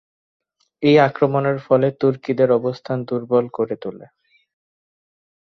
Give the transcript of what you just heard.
এই আক্রমণের ফলে তুর্কিদের অবস্থান দুর্বল করে তোলে।